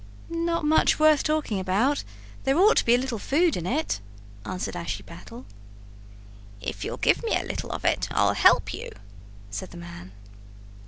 "Not much worth talking about; there ought to be a little food in it," answered Ashiepattle. "If you'll give me a little of it I'll help you, said the man.